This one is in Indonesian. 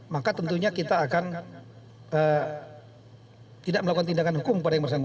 maka tentunya kita akan tidak melakukan tindakan hukum